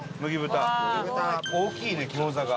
大きいね餃子が。